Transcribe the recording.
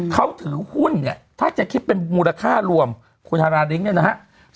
เขาถือหุ้นเนี่ยถ้าจะคิดเป็นมูลค่ารวมคุณฮาราลิ้งเนี่ยนะครับ